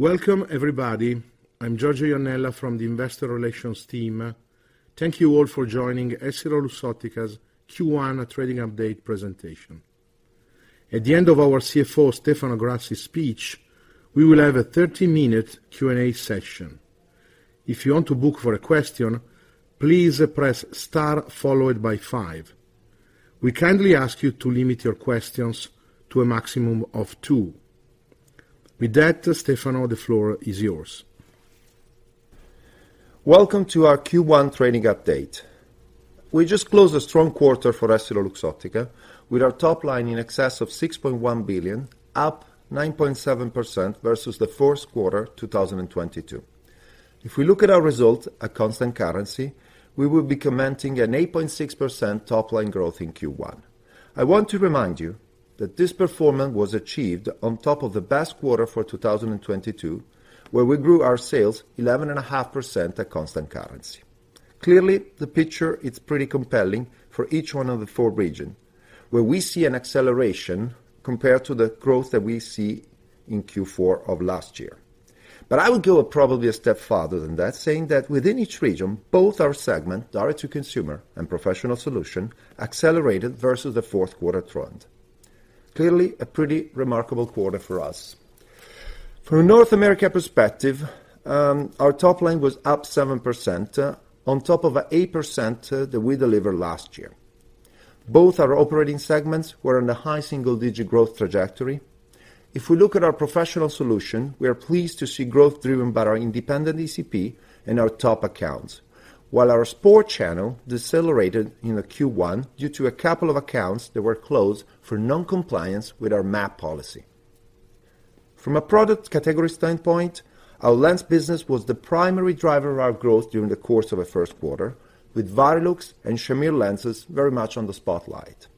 Welcome everybody. I'm Giorgio Iannella from the investor relations team. Thank you all for joining EssilorLuxottica's Q1 trading update presentation. At the end of our CFO, Stefano Grassi speech, we will have a 30-minute Q&A session. If you want to book for a question, please press star followed by five. We kindly ask you to limit your questions to a maximum of two. With that, Stefano, the floor is yours. Welcome to our Q1 trading update. We just closed a strong quarter for EssilorLuxottica, with our top line in excess of 6.1 billion, up 9.7% versus the first quarter 2022. If we look at our results at constant currency, we will be commenting an 8.6% top line growth in Q1. I want to remind you that this performance was achieved on top of the best quarter for 2022, where we grew our sales 11.5% at constant currency. Clearly, the picture is pretty compelling for each one of the four region, where we see an acceleration compared to the growth that we see in Q4 of last year. I would go probably a step farther than that, saying that within each region, both our segment, direct to consumer and professional solution, accelerated versus the fourth quarter trend. A pretty remarkable quarter for us. From North America perspective, our top line was up 7% on top of a 8% that we delivered last year. Both our operating segments were in the high-single-digit growth trajectory. If we look at our professional solution, we are pleased to see growth driven by our independent ECP and our top accounts, while our sport channel decelerated in the Q1 due to a couple of accounts that were closed for non-compliance with our MAP policy. From a product category standpoint, our lens business was the primary driver of our growth during the course of the first quarter, with Varilux and Shamir lenses very much on the spotlight.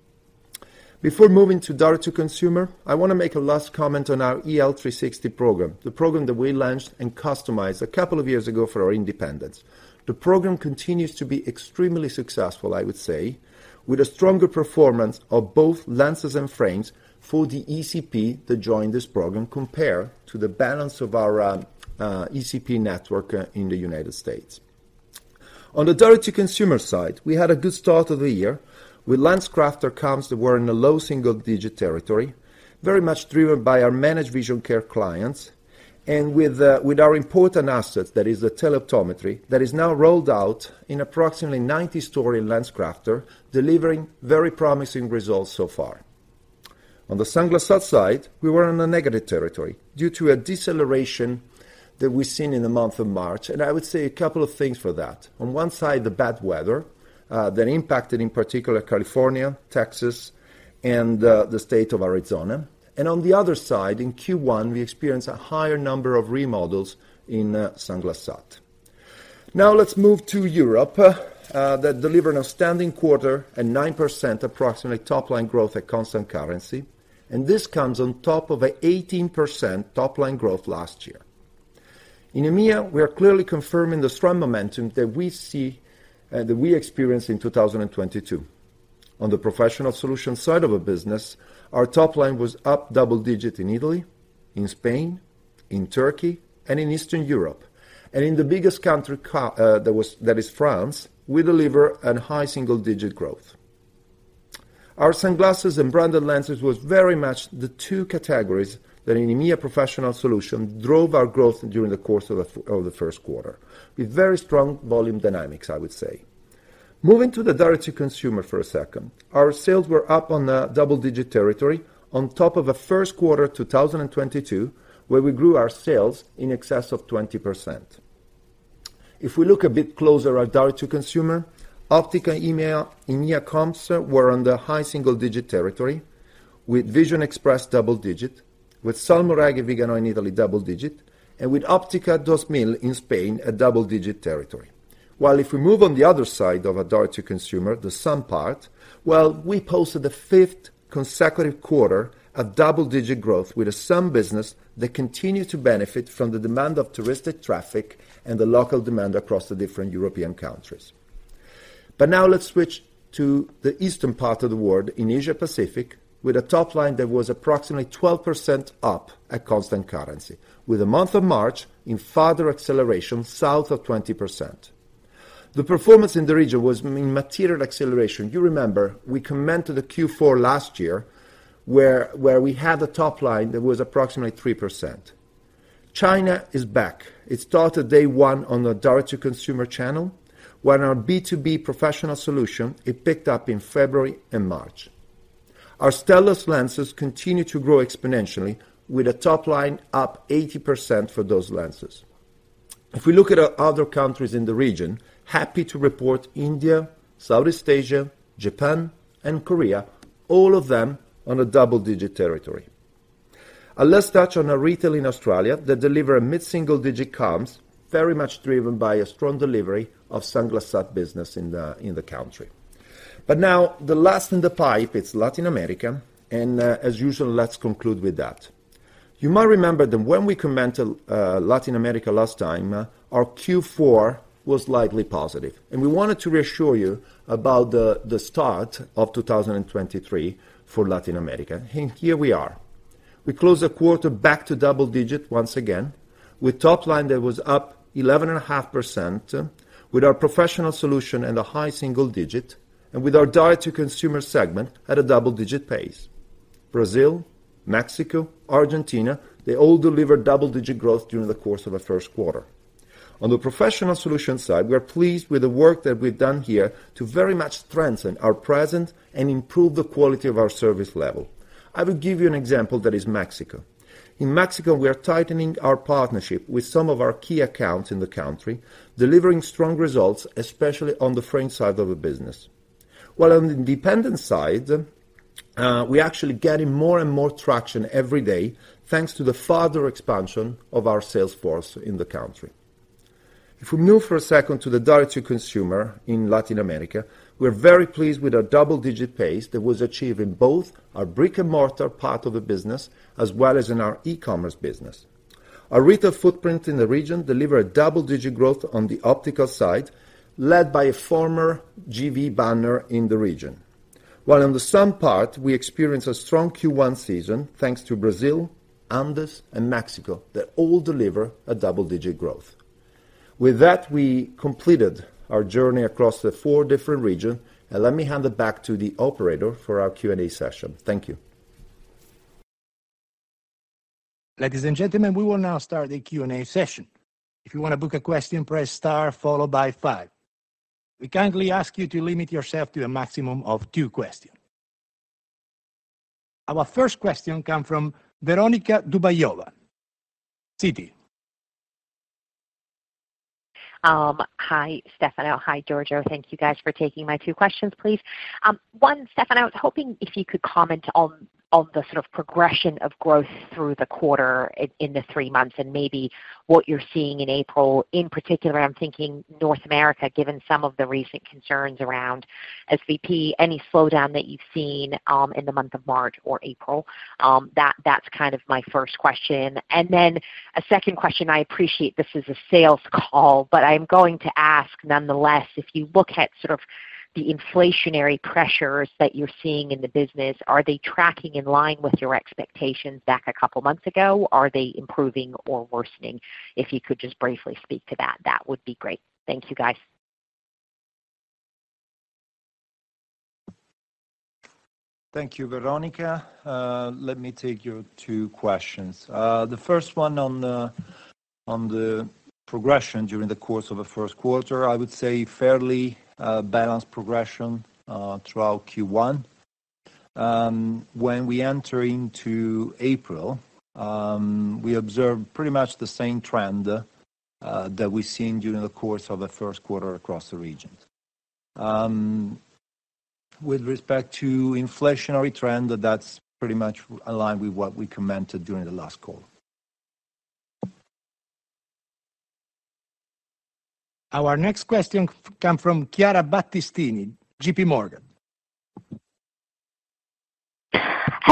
Before moving to direct to consumer, I wanna make a last comment on our EL 360 program, the program that we launched and customized a couple of years ago for our independents. The program continues to be extremely successful, I would say, with a stronger performance of both lenses and frames for the ECP that joined this program, compared to the balance of our ECP network in the United States. On the direct to consumer side, we had a good start of the year with LensCrafters comps that were in a low single digit territory, very much driven by our managed vision care clients and with our important assets that is the teleoptometry that is now rolled out in approximately 90 store in LensCrafters, delivering very promising results so far. On the Sunglass Hut side, we were in a negative territory due to a deceleration that we've seen in the month of March. I would say a couple of things for that. On one side, the bad weather that impacted, in particular, California, Texas, and the state of Arizona. On the other side, in Q1, we experienced a higher number of remodels in Sunglass Hut. Let's move to Europe that delivered an outstanding quarter at 9% approximately top line growth at constant currency. This comes on top of a 18% top line growth last year. In EMEA, we are clearly confirming the strong momentum that we see that we experienced in 2022. On the professional solutions side of a business, our top line was up double digit in Italy, in Spain, in Turkey, and in Eastern Europe. In the biggest country that is France, we deliver a high-single-digit growth. Our sunglasses and branded lenses was very much the two categories that in EMEA professional solution drove our growth during the course of the first quarter, with very strong volume dynamics, I would say. Moving to the direct to consumer for a second. Our sales were up on a double-digit territory on top of a first quarter 2022, where we grew our sales in excess of 20%. If we look a bit closer at direct to consumer, Óptica EMEA comps were on the high single-digit territory, with Vision Express double-digit, with Salmoiraghi & Viganò in Italy double-digit, and with Óptica 2000 in Spain, a double-digit territory. If we move on the other side of a direct-to-consumer, the sun part, well, we posted the fifth consecutive quarter of double-digit growth with the sun business that continue to benefit from the demand of touristic traffic and the local demand across the different European countries. Now let's switch to the eastern part of the world, in Asia Pacific, with a top line that was approximately 12% up at constant currency, with the month of March in further acceleration south of 20%. The performance in the region was material acceleration. You remember we commented the Q4 last year, where we had a top line that was approximately 3%. China is back. It started day one on the direct-to-consumer channel, while our B2B professional solution, it picked up in February and March. Our Stellest lenses continue to grow exponentially with a top line up 80% for those lenses. If we look at our other countries in the region, happy to report India, Southeast Asia, Japan, and Korea, all of them on a double-digit territory. Let's touch on our retail in Australia that deliver a mid-single-digit comps, very much driven by a strong delivery of Sunglass Hut business in the country. Now the last in the pipe, it's Latin America, and as usual, let's conclude with that. You might remember that when we comment Latin America last time, our Q4 was slightly positive, and we wanted to reassure you about the start of 2023 for Latin America, and here we are. We closed the quarter back to double-digit once again with top line that was up 11.5% with our professional solution and a high-single-digit, and with our direct to consumer segment at a double-digit pace. Brazil, Mexico, Argentina, they all delivered double-digit growth during the course of the first quarter. On the professional solution side, we are pleased with the work that we've done here to very much strengthen our presence and improve the quality of our service level. I will give you an example that is Mexico. In Mexico, we are tightening our partnership with some of our key accounts in the country, delivering strong results, especially on the frame side of the business. While on the independent side, we're actually getting more and more traction every day thanks to the further expansion of our sales force in the country. If we move for a second to the direct to consumer in Latin America, we're very pleased with our double-digit pace that was achieved in both our brick-and-mortar part of the business as well as in our e-commerce business. Our retail footprint in the region delivered double-digit growth on the optical side, led by a former GV banner in the region. While in the sun part, we experience a strong Q1 season thanks to Brazil, Andes and Mexico, that all deliver a double-digit growth. With that, we completed our journey across the four different region. Now let me hand it back to the operator for our Q&A session. Thank you. Ladies and gentlemen, we will now start the Q&A session. If you want to book a question, press star followed by five. We kindly ask you to limit yourself to a maximum of two questions. Our first question comes from Veronika Dubajova, Citi. Hi, Stefano. Hi, Giorgio. Thank you guys for taking my two questions, please. One, Stefano, I was hoping if you could comment on the sort of progression of growth through the quarter in the three months and maybe what you're seeing in April. In particular, I'm thinking North America, given some of the recent concerns around SVB, any slowdown that you've seen in the month of March or April. That's kind of my first question. A second question, I appreciate this is a sales call, but I'm going to ask nonetheless, if you look at sort of the inflationary pressures that you're seeing in the business, are they tracking in line with your expectations back a couple months ago? Are they improving or worsening? If you could just briefly speak to that would be great. Thank you, guys. Thank you, Veronika. Let me take your two questions. The first one on the, on the progression during the course of the first quarter, I would say fairly balanced progression throughout Q1. When we enter into April, we observed pretty much the same trend that we've seen during the course of the first quarter across the regions. With respect to inflationary trend, that's pretty much aligned with what we commented during the last call. Our next question come from Chiara Battistini, JPMorgan. Hello. Buonasera.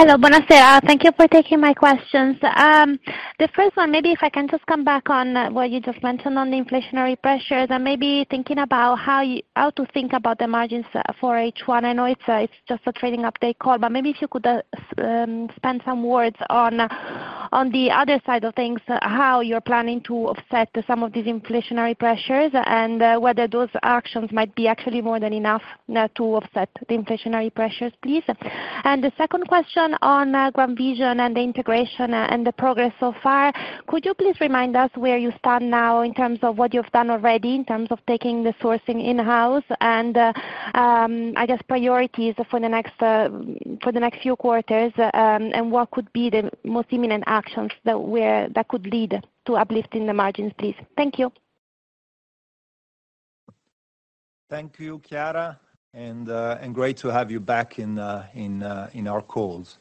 Thank you for taking my questions. The first one, maybe if I can just come back on what you just mentioned on the inflationary pressures and maybe thinking about how to think about the margins for H1. I know it's just a trading update call, but maybe if you could spend some words on the other side of things, how you're planning to offset some of these inflationary pressures, and whether those actions might be actually more than enough to offset the inflationary pressures, please. The second question on GrandVision and the integration and the progress so far. Could you please remind us where you stand now in terms of what you've done already in terms of taking the sourcing in-house and, I guess priorities for the next, for the next few quarters, and what could be the most imminent actions that could lead to uplift in the margins, please? Thank you. Thank you, Chiara, and great to have you back in our calls.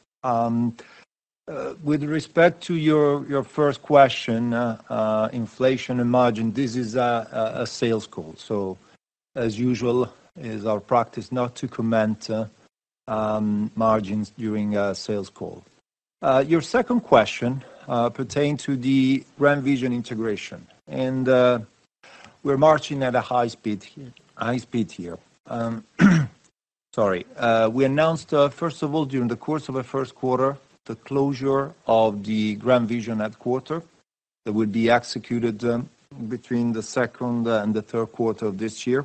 With respect to your first question, inflation and margin, this is a sales call. As usual, is our practice not to comment margins during a sales call. Your second question pertain to the GrandVision integration, we're marching at a high speed here. Sorry. We announced, first of all, during the course of the first quarter, the closure of the GrandVision headquarter that would be executed between the second and the third quarter of this year.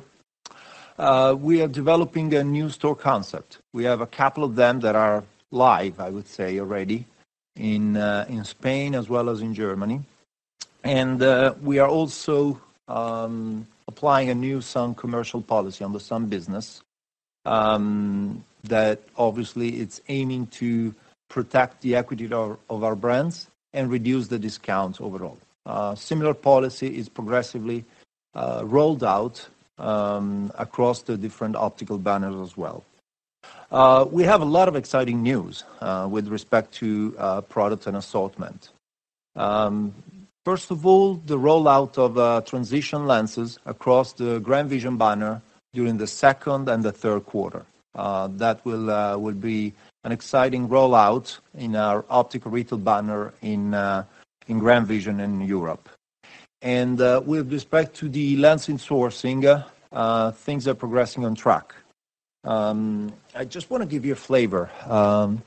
We are developing a new store concept. We have a couple of them that are live, I would say, already in Spain as well as in Germany. We are also applying a new sun commercial policy on the sun business that obviously it's aiming to protect the equity of our brands and reduce the discounts overall. Similar policy is progressively rolled out across the different optical banners as well. We have a lot of exciting news with respect to product and assortment. First of all, the rollout of Transitions lenses across the GrandVision banner during the second and the third quarter. That will be an exciting rollout in our optical retail banner in GrandVision in Europe. With respect to the lens and sourcing, things are progressing on track. I just wanna give you a flavor.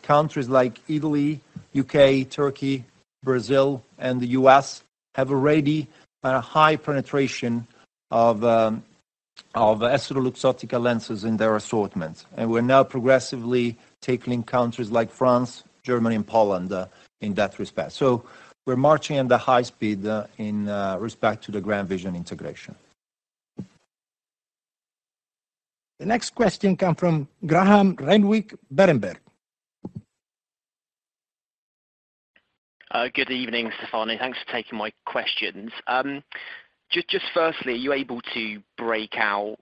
Countries like Italy, U.K., Turkey, Brazil, and the U.S. have already a high penetration of EssilorLuxottica lenses in their assortment. We're now progressively tackling countries like France, Germany, and Poland in that respect. We're marching at the high speed in respect to the GrandVision integration. The next question come from Graham Renwick, Berenberg. Good evening, Stefano. Thanks for taking my questions. Firstly, are you able to break out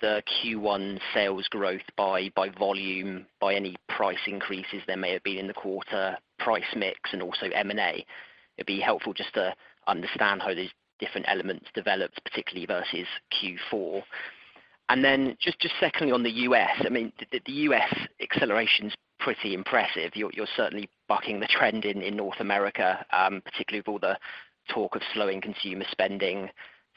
the Q1 sales growth by volume, by any price increases there may have been in the quarter, price mix, and also M&A? It'd be helpful just to understand how these different elements developed, particularly versus Q4. Just secondly, on the U.S., I mean, the U.S. acceleration's pretty impressive. You're certainly bucking the trend in North America, particularly with all the talk of slowing consumer spending.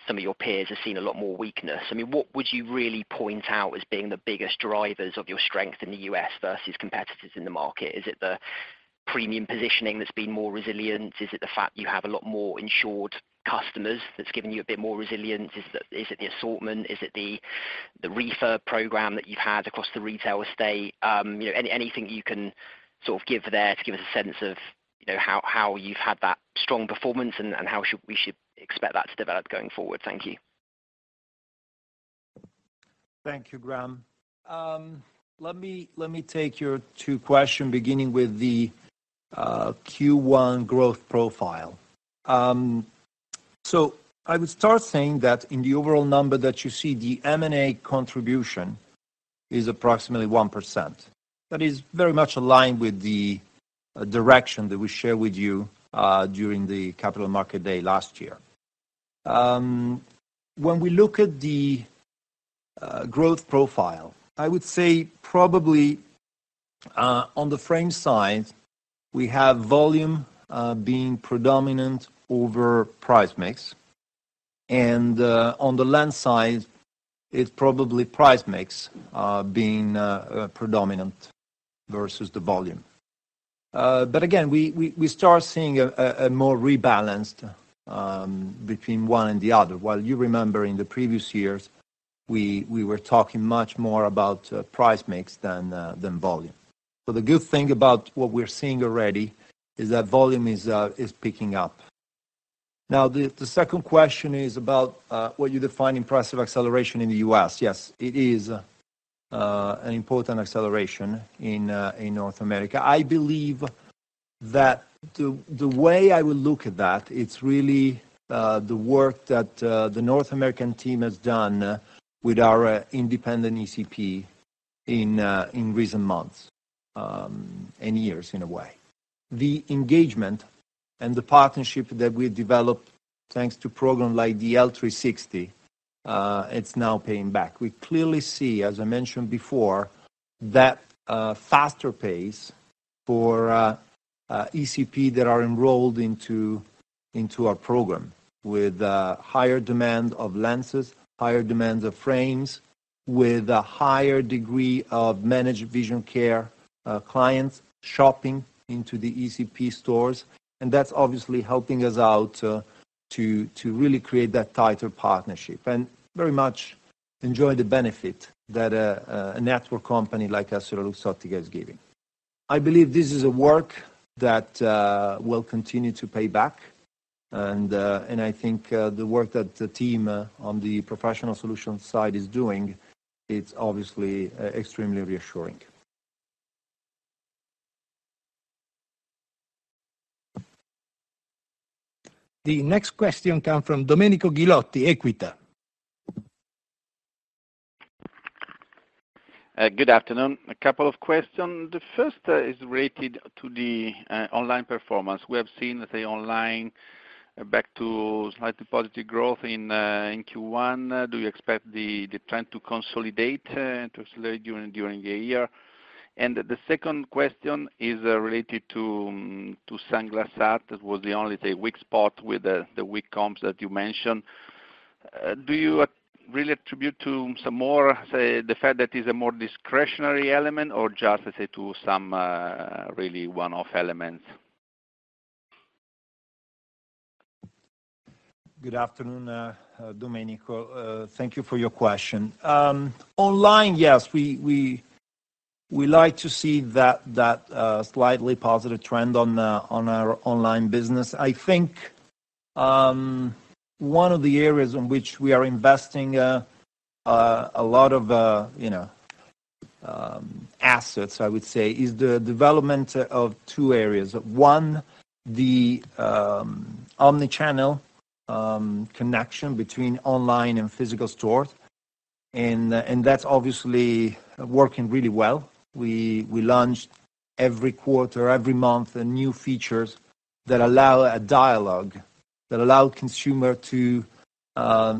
Some of your peers have seen a lot more weakness. I mean, what would you really point out as being the biggest drivers of your strength in the U.S. versus competitors in the market? Is it the premium positioning that's been more resilient? Is it the fact you have a lot more insured customers that's given you a bit more resilience? Is it the assortment? Is it the refurb program that you've had across the retail estate? you know, anything you can sort of give there to give us a sense of, you know, how you've had that strong performance and how we should expect that to develop going forward? Thank you. Thank you, Graham. Let me take your two question beginning with the Q1 growth profile. I would start saying that in the overall number that you see, the M&A contribution is approximately 1%. That is very much aligned with the direction that we shared with you during the Capital Markets Day last year. When we look at the growth profile, I would say probably on the frame side, we have volume being predominant over price mix, and on the lens side, it's probably price mix being predominant versus the volume. Again, we start seeing a more rebalanced between one and the other. While you remember in the previous years we were talking much more about price mix than volume. The good thing about what we're seeing already is that volume is picking up. The second question is about what you define impressive acceleration in the U.S. It is an important acceleration in North America. I believe that the way I would look at that, it's really the work that the North American team has done with our independent ECP in recent months and years in a way. The engagement and the partnership that we developed thanks to program like the EL 360, it's now paying back. We clearly see, as I mentioned before, that faster pace for ECP that are enrolled into our program with higher demand of lenses, higher demand of frames, with a higher degree of managed vision care clients shopping into the ECP stores. That's obviously helping us out to really create that tighter partnership and very much enjoy the benefit that a network company like EssilorLuxottica is giving. I believe this is a work that will continue to pay back and I think the work that the team on the professional solutions side is doing, it's obviously extremely reassuring. The next question come from Domenico Ghilotti, Equita. Good afternoon. A couple of questions. The first is related to the online performance. We have seen, let's say, online back to slightly positive growth in Q1. Do you expect the trend to consolidate and to accelerate during the year? The second question is related to Sunglass Hut. That was the only, say, weak spot with the weak comps that you mentioned. Do you really attribute to some more, say, the fact that it's a more discretionary element or just, let's say, to some really one-off elements? Good afternoon, Domenico. Thank you for your question. Online, yes, we like to see that slightly positive trend on our online business. I think, one of the areas in which we are investing a lot of, you know, assets I would say, is the development of two areas. One, the omnichannel connection between online and physical stores, and that's obviously working really well. We launched every quarter, every month a new features that allow a dialogue, that allow consumer to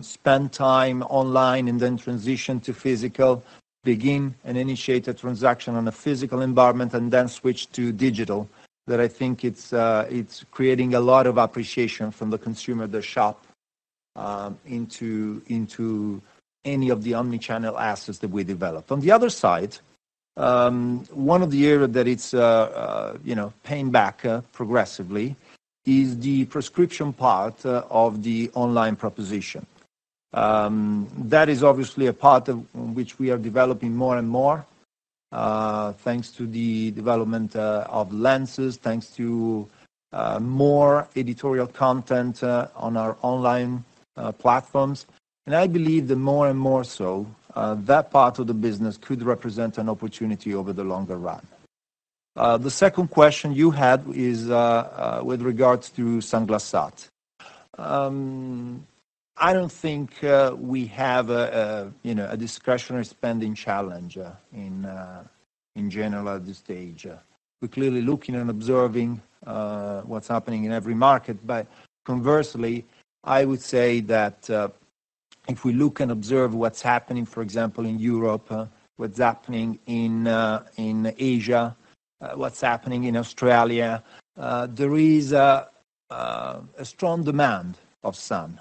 spend time online and then transition to physical, begin and initiate a transaction on a physical environment and then switch to digital, that I think it's creating a lot of appreciation from the consumer that shop into any of the omnichannel assets that we developed. On the other side, you know, paying back progressively is the prescription part of the online proposition. That is obviously a part of which we are developing more and more, thanks to the development of lenses, thanks to more editorial content on our online platforms. I believe that more and more so, that part of the business could represent an opportunity over the longer run. The second question you had is with regards to Sunglass Hut. I don't think we have a, you know, a discretionary spending challenge in general at this stage. We're clearly looking and observing what's happening in every market. Conversely, I would say that if we look and observe what's happening, for example, in Europe, what's happening in Asia, what's happening in Australia, there is a strong demand of sun.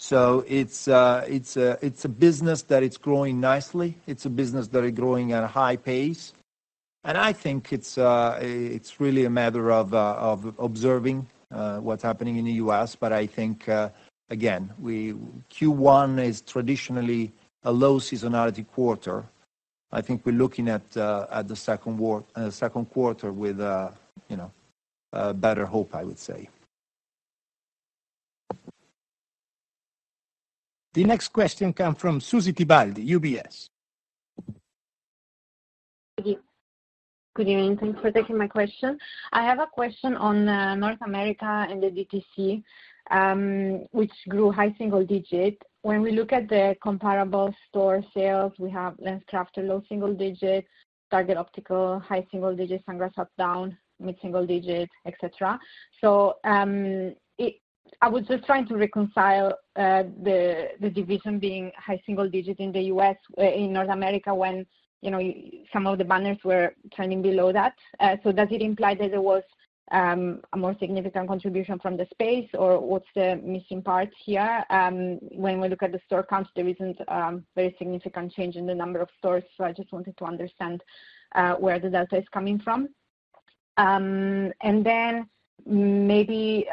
It's a business that it's growing nicely. It's a business that is growing at a high pace. I think it's really a matter of observing what's happening in the U.S., I think again, Q1 is traditionally a low seasonality quarter. I think we're looking at the second quarter with, you know, a better hope, I would say. The next question come from Susy Tibaldi, UBS. Thank you. Good evening. Thanks for taking my question. I have a question on North America and the DTC, which grew high single digit. When we look at the comparable store sales, we have LensCrafters low-single-digit, Target Optical high-single-digit, Sunglass Hut down mid-single-digit, et cetera. I was just trying to reconcile the division being high-single-digit in the U.S., in North America, when, you know, some of the banners were trending below that. Does it imply that there was a more significant contribution from the space, or what's the missing part here? When we look at the store counts, there isn't very significant change in the number of stores, I just wanted to understand where the delta is coming from. Maybe,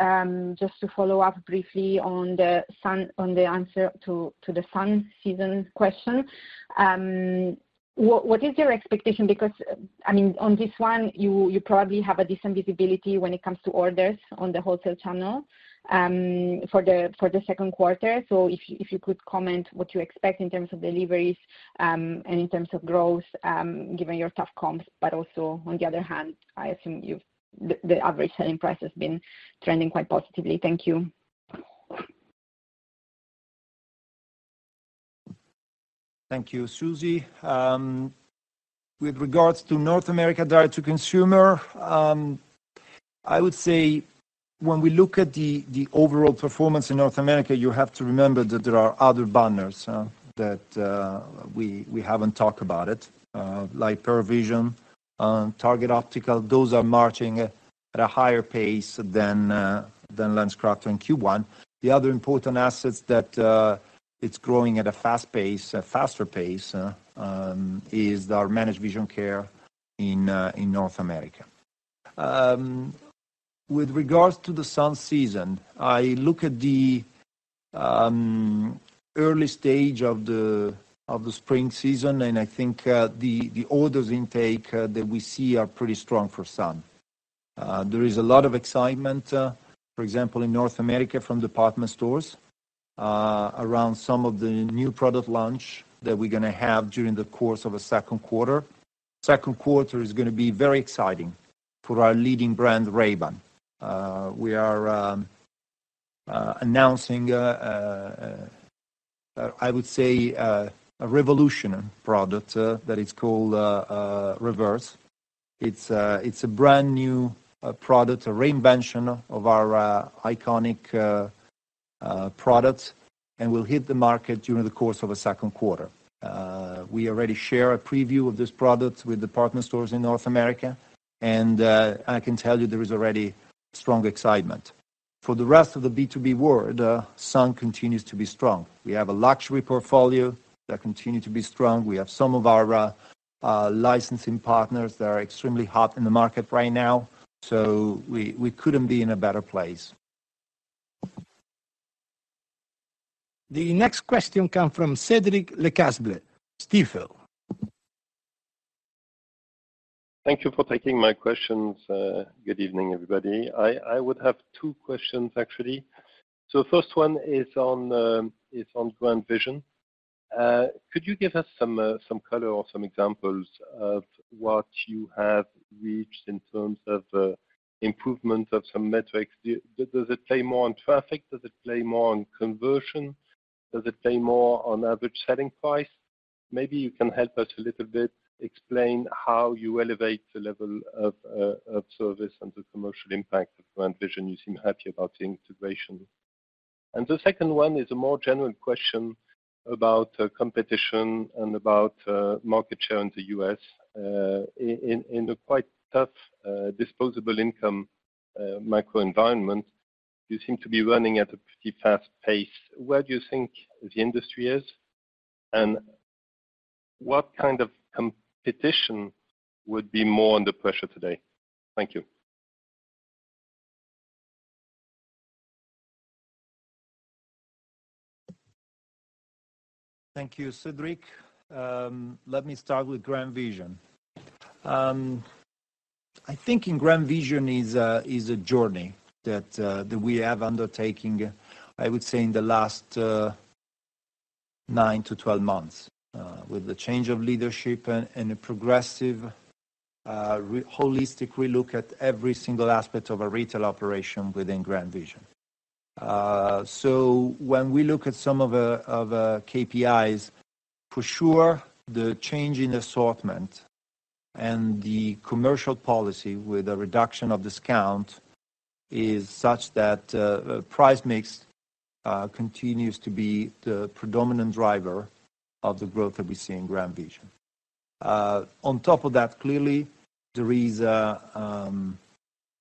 just to follow up briefly on the sun, on the answer to the sun season question, what is your expectation? I mean, on this one, you probably have a decent visibility when it comes to orders on the wholesale channel, for the second quarter. If you could comment what you expect in terms of deliveries, and in terms of growth, given your tough comps, but also on the other hand, I assume the average selling price has been trending quite positively. Thank you. Thank you, Susy. With regards to North America direct to consumer, I would say when we look at the overall performance in North America, you have to remember that there are other banners that we haven't talked about it, like Pearle Vision, Target Optical. Those are marching at a higher pace than LensCrafters in Q1. The other important assets that it's growing at a fast pace, a faster pace, is our managed vision care in North America. With regards to the sun season, I look at the early stage of the spring season, and I think the orders intake that we see are pretty strong for sun. There is a lot of excitement, for example, in North America from department stores, around some of the new product launch that we're gonna have during the course of the second quarter. Second quarter is gonna be very exciting for our leading brand, Ray-Ban. We are announcing, I would say, a revolutionary product that is called Reverse. It's a brand new product, a reinvention of our iconic product, and will hit the market during the course of the second quarter. We already share a preview of this product with department stores in North America, I can tell you there is already strong excitement. For the rest of the B2B world, sun continues to be strong. We have a luxury portfolio that continue to be strong. We have some of our licensing partners that are extremely hot in the market right now, we couldn't be in a better place. The next question come from Cedric Lecasble, Stifel. Thank you for taking my questions. Good evening, everybody. I would have two questions, actually. First one is on GrandVision. Could you give us some color or some examples of what you have reached in terms of improvement of some metrics? Does it play more on traffic? Does it play more on conversion? Does it play more on average selling price? Maybe you can help us a little bit explain how you elevate the level of service and the commercial impact of GrandVision. You seem happy about the integration. The second one is a more general question about competition and about market share in the U.S. In the quite tough disposable income microenvironment, you seem to be running at a pretty fast pace. Where do you think the industry is, and what kind of competition would be more under pressure today? Thank you. Thank you, Cedric. Let me start with GrandVision. I think in GrandVision is a journey that we have undertaking, I would say in the last nine to 12 months, with the change of leadership and a progressive holistic relook at every single aspect of a retail operation within GrandVision. When we look at some of the KPIs, for sure, the change in assortment and the commercial policy with a reduction of discount is such that price mix continues to be the predominant driver of the growth that we see in GrandVision. On top of that, clearly there is an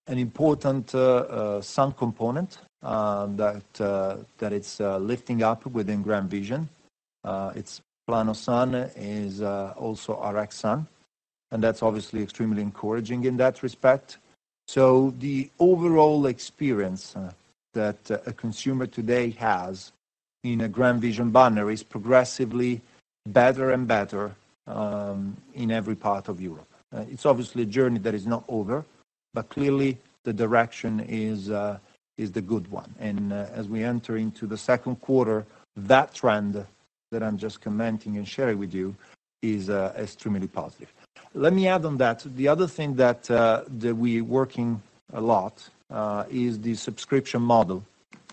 important sun component that it's lifting up within GrandVision. It's Plano Sun is also Rx Sun, that's obviously extremely encouraging in that respect. So the overall experience, uh, that a consumer today has in a GrandVision banner is progressively better and better, um, in every part of Europe. Uh, it's obviously a journey that is not over, but clearly the direction is, uh, is the good one. And, uh, as we enter into the second quarter, that trend that I'm just commenting and sharing with you is, uh, extremely positive. Let me add on that. The other thing that, uh, that we working a lot, uh, is the subscription model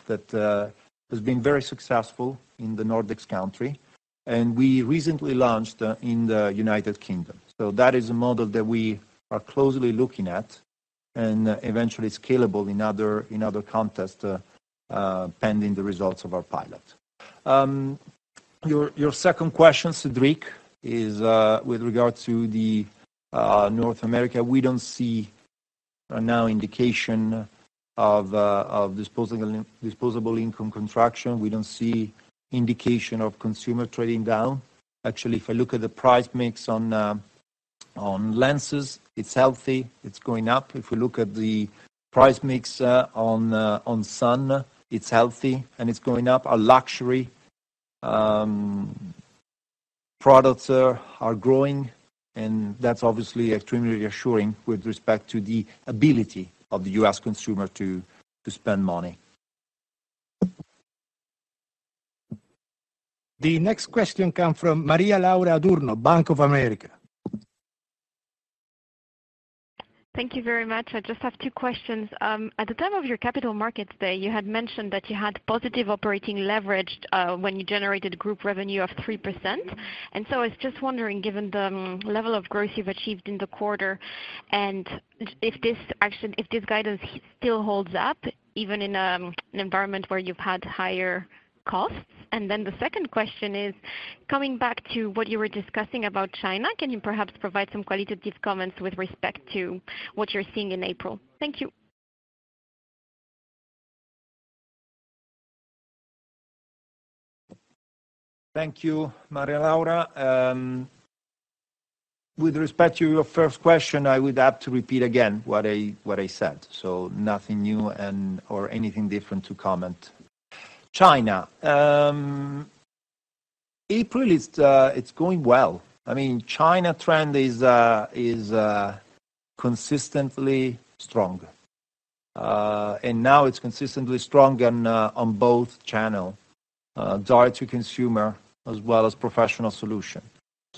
that, uh, has been very successful in the Nordics country, and we recently launched, uh, in the United Kingdom. So that is a model that we are closely looking at and eventually scalable in other, in other context, uh, uh, pending the results of our pilot. Um, your, your second question, Cedric, is, uh, with regard to the, uh, North America. We don't see now indication of disposable income contraction. We don't see indication of consumer trading down. Actually, if I look at the price mix on lenses, it's healthy. It's going up. If we look at the price mix on sun, it's healthy, and it's going up. Our luxury products are growing, and that's obviously extremely reassuring with respect to the ability of the U.S. consumer to spend money. The next question come from Maria-Laura Adurno, Bank of America. Thank you very much. I just have two questions. At the time of your Capital Markets Day, you had mentioned that you had positive operating leverage, when you generated group revenue of 3%. I was just wondering, given the level of growth you've achieved in the quarter, and if this guidance still holds up, even in an environment where you've had higher costs. The second question is coming back to what you were discussing about China, can you perhaps provide some qualitative comments with respect to what you're seeing in April? Thank you. Thank you, Maria-Laura. With respect to your first question, I would have to repeat again what I said, nothing new and or anything different to comment. China. April is, it's going well. I mean China trend is consistently strong. Now it's consistently strong on both channel, direct to consumer as well as professional solution.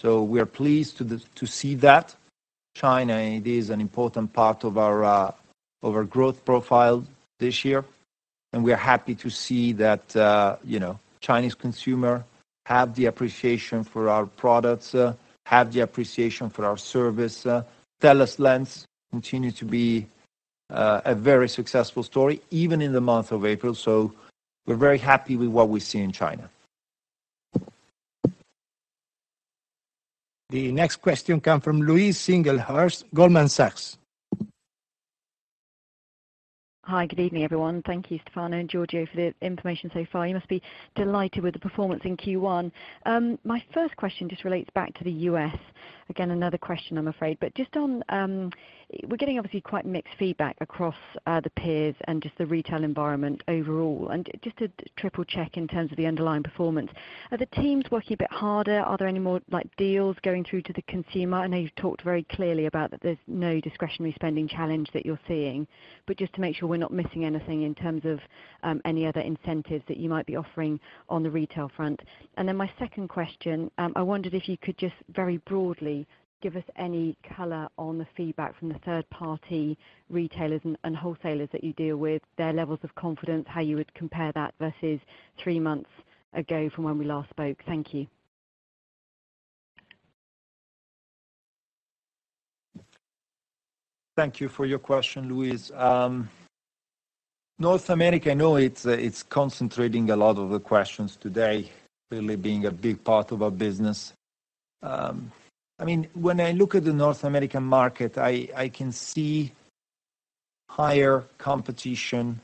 We are pleased to see that. China is an important part of our growth profile this year, we are happy to see that, you know, Chinese consumer have the appreciation for our products, have the appreciation for our service. Stellest Lens continue to be a very successful story even in the month of April. We're very happy with what we see in China. The next question come from Louise Singlehurst, Goldman Sachs. Hi. Good evening, everyone. Thank you, Stefano and Giorgio, for the information so far. You must be delighted with the performance in Q1. My first question just relates back to the U.S. Again, another question I'm afraid, but just on, we're getting obviously quite mixed feedback across the peers and just the retail environment overall, and just to triple check in terms of the underlying performance. Are the teams working a bit harder? Are there any more like deals going through to the consumer? I know you've talked very clearly about that there's no discretionary spending challenge that you're seeing, but just to make sure we're not missing anything in terms of any other incentives that you might be offering on the retail front. My second question, I wondered if you could just very broadly give us any color on the feedback from the third party retailers and wholesalers that you deal with, their levels of confidence, how you would compare that versus three months ago from when we last spoke. Thank you. Thank you for your question, Louise. North America, I know it's concentrating a lot of the questions today, really being a big part of our business. I mean, when I look at the North American market, I can see higher competition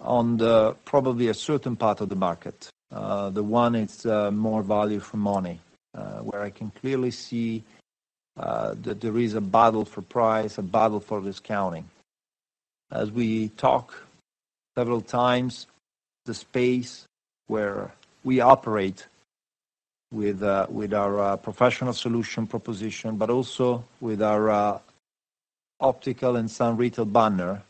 on the probably a certain part of the market. The one, it's more value for money, where I can clearly see that there is a battle for price, a battle for discounting. As we talk several times, the space where we operate with with our professional solution proposition, but also with our optical and sun retail banner,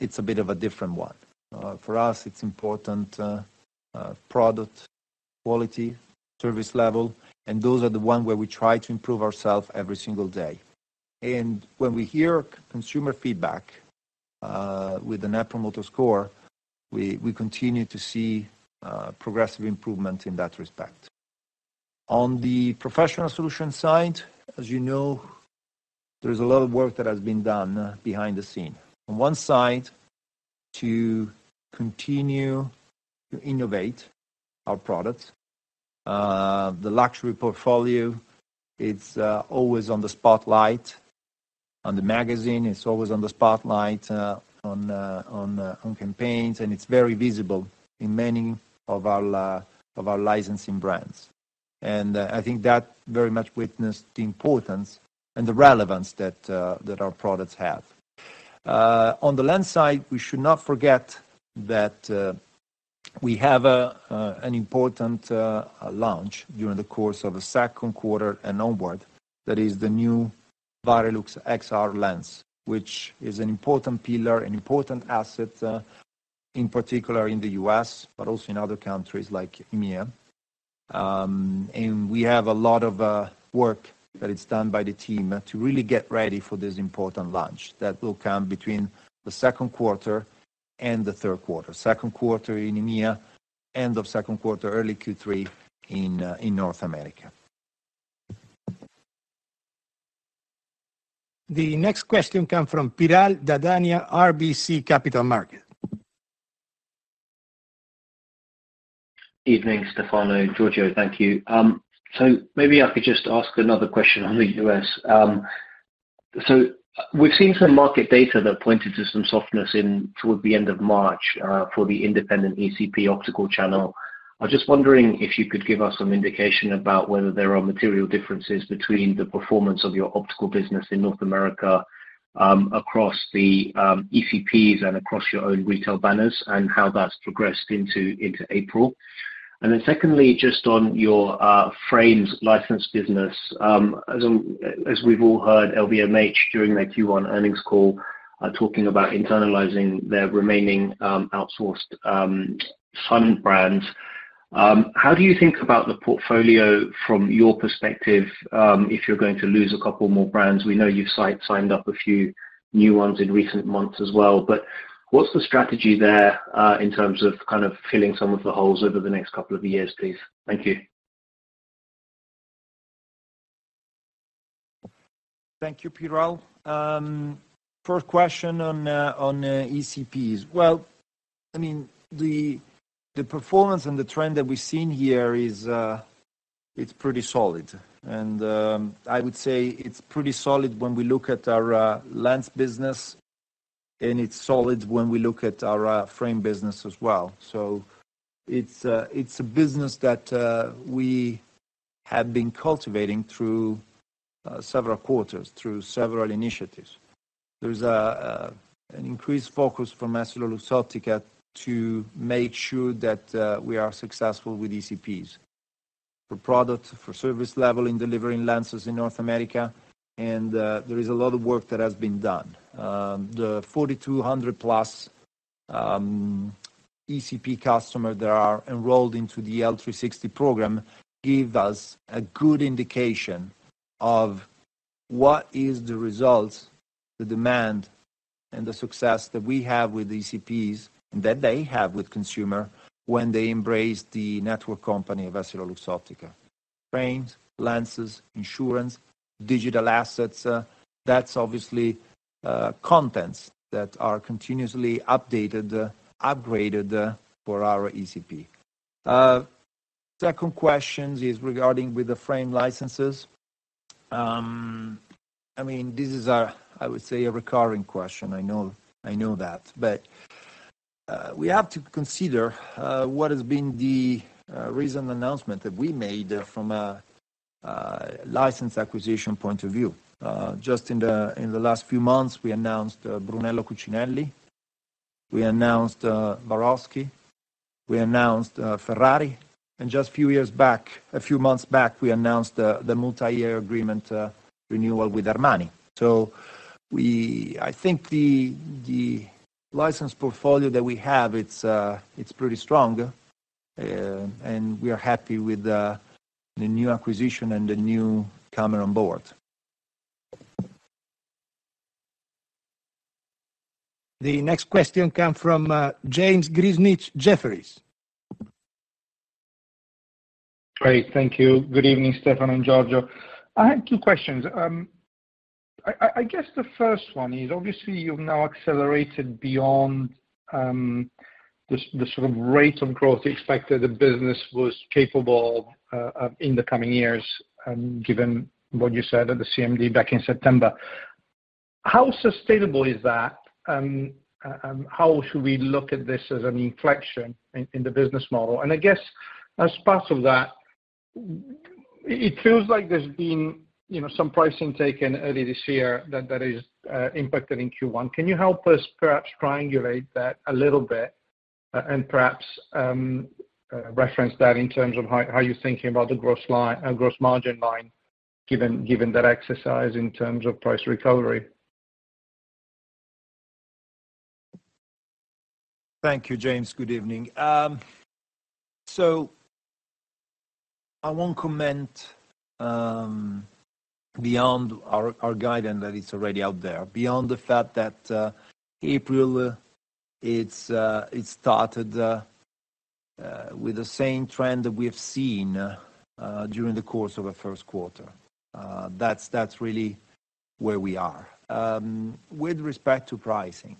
it's a bit of a different one. For us, it's important product quality, service level, and those are the one where we try to improve ourselves every single day. When we hear consumer feedback, with the Net Promoter Score, we continue to see progressive improvement in that respect. On the professional solution side, as you know, there's a lot of work that has been done behind the scene. On one side, to continue to innovate our products. The luxury portfolio, it's always on the spotlight. On the magazine, it's always on the spotlight, on campaigns, and it's very visible in many of our of our licensing brands. I think that very much witnessed the importance and the relevance that our products have. On the lens side, we should not forget that we have an important launch during the course of the second quarter and onward. That is the new Varilux XR lens, which is an important pillar, an important asset, in particular in the U.S., but also in other countries like EMEA. We have a lot of work that is done by the team to really get ready for this important launch that will come between the second quarter and the third quarter. Second quarter in EMEA, end of second quarter, early Q3 in North America. The next question come from Piral Dadhania, RBC Capital Markets. Evening, Stefano, Giorgio. Thank you. Maybe I could just ask another question on the U.S. We've seen some market data that pointed to some softness in towards the end of March for the independent ECP optical channel. I was just wondering if you could give us some indication about whether there are material differences between the performance of your optical business in North America across the ECPs and across your own retail banners, and how that's progressed into April. Secondly, just on your frames license business, as we've all heard, LVMH during their Q1 earnings call are talking about internalizing their remaining outsourced sun brands. How do you think about the portfolio from your perspective if you're going to lose a couple more brands? We know you've signed up a few new ones in recent months as well. What's the strategy there, in terms of kind of filling some of the holes over the next couple of years, please? Thank you. Thank you, Piral. First question on ECPs. Well, I mean, the performance and the trend that we've seen here is pretty solid. I would say it's pretty solid when we look at our lens business, and it's solid when we look at our frame business as well. It's a business that we have been cultivating through several quarters, through several initiatives. There's an increased focus from EssilorLuxottica to make sure that we are successful with ECPs, for product, for service level in delivering lenses in North America, there is a lot of work that has been done. The 4,200 plus ECP customer that are enrolled into the EL 360 program give us a good indication of what is the results, the demand, and the success that we have with ECPs, and that they have with consumer, when they embrace the network company of EssilorLuxottica. Frames, lenses, insurance, digital assets, that's obviously contents that are continuously updated, upgraded, for our ECP. Second question is regarding with the frame licenses. I mean, this is a, I would say, a recurring question. I know that. We have to consider what has been the recent announcement that we made from a license acquisition point of view. Just in the last few months, we announced Brunello Cucinelli, we announced Swarovski, we announced Ferrari. Just few years back, a few months back, we announced the multi-year agreement, renewal with Armani. I think the license portfolio that we have, it's pretty strong. We are happy with the new acquisition and the newcomer on board. The next question come from James Grzinic, Jefferies. Great. Thank you. Good evening, Stefano and Giorgio. I have two questions. I guess the first one is, obviously, you've now accelerated beyond the sort of rate of growth expected the business was capable of in the coming years, given what you said at the CMD back in September. How sustainable is that? How should we look at this as an inflection in the business model? I guess as part of that, it feels like there's been, you know, some pricing taken early this year that is impacted in Q1. Can you help us perhaps triangulate that a little bit, and perhaps reference that in terms of how you're thinking about the gross margin line given that exercise in terms of price recovery? Thank you, James. Good evening. I won't comment beyond our guidance that is already out there. Beyond the fact that April, it's started with the same trend that we have seen during the course of the first quarter. That's really where we are. With respect to pricing,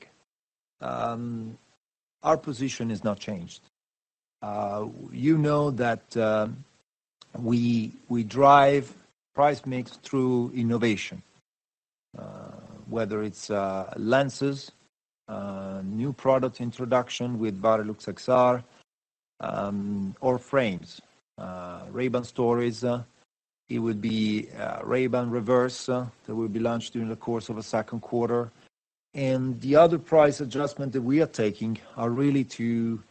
our position has not changed. You know that we drive price mix through innovation, whether it's lenses, new product introduction with Varilux XR, or frames. Ray-Ban Stories, it would be Ray-Ban Reverse that will be launched during the course of the second quarter. The other price adjustment that we are taking are really to,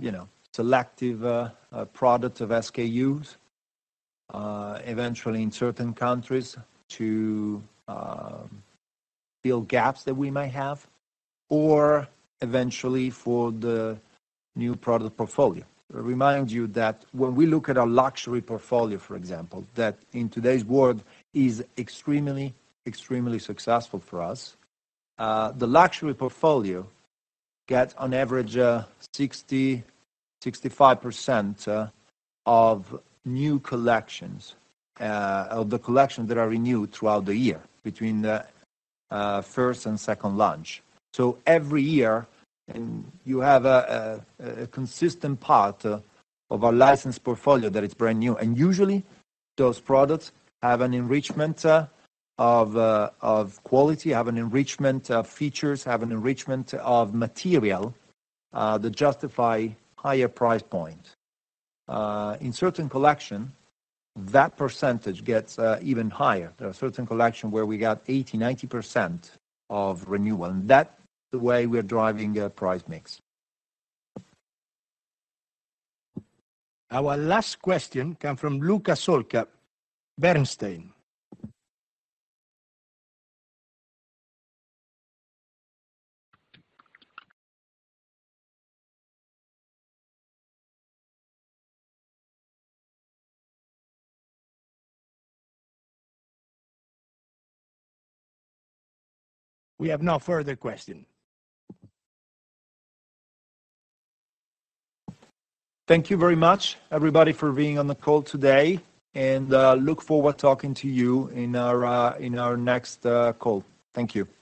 you know, selective product of SKUs, eventually in certain countries to fill gaps that we might have or eventually for the new product portfolio. I remind you that when we look at our luxury portfolio, for example, that in today's world is extremely successful for us. The luxury portfolio get on average, 60%, 65% of new collections of the collections that are renewed throughout the year between the first and second launch. Every year, you have a consistent part of our license portfolio that is brand new. Usually those products have an enrichment of quality, have an enrichment of features, have an enrichment of material that justify higher price point. In certain collection, that percentage gets even higher. There are certain collection where we got 80%, 90% of renewal, and that the way we're driving price mix. Our last question come from Luca Solca, Bernstein. We have no further question. Thank you very much, everybody, for being on the call today, look forward talking to you in our in our next call. Thank you.